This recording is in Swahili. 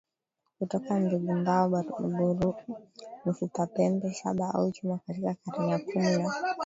kutoka mbegu mbao maburu mifupa pembe shaba au chuma Katika karne ya kumi na